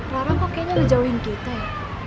rara kok kayaknya udah jauhin kita ya